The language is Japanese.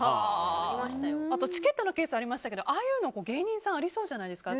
あと、チケットのケースがありましたけどもああいうの、芸人さんありそうじゃないですか。